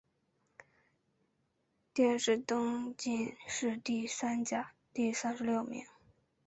殿试登进士第三甲第三十六名。